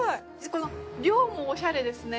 この量もおしゃれですね。